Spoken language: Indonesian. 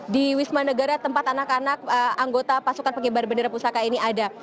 di wisma negara tempat anak anak anggota pasukan pengibar bendera pusaka ini ada